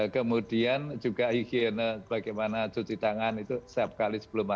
kemudian juga higiene bagaimana cuci tangan itu setiap kali sebelum makan